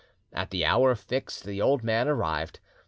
At the hour fixed, the old man arrived.